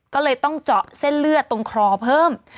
ก็เลยต้องเจาะเส้นเลือดตรงคอเพิ่ม